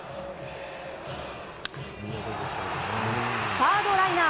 サードライナー。